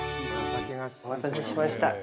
お待たせしました。